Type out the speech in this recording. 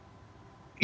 ya sudah sepuluh hari